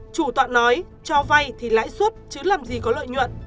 chủ tọa nói cho vay thì lãi suất chứ làm gì có lợi nhuận